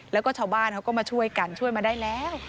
แล้วก็ชาวบ้านเขาก็มาช่วยกันช่วยมาได้แล้ว